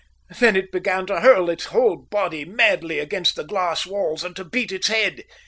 Then it began to hurl its whole body madly against the glass walls and to beat its head.